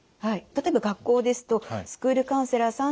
例えば学校ですとスクールカウンセラーさん